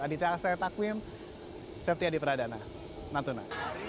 aditya assetakwim safety adi pradana natuna